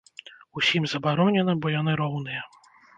Усім забаронена, бо яны роўныя.